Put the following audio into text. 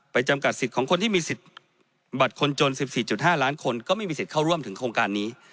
จำกัดสิทธิ์ของคนที่มีสิทธิ์บัตรคนจน๑๔๕ล้านคนก็ไม่มีสิทธิ์เข้าร่วมถึงโครงการนี้